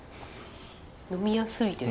呑みやすいです。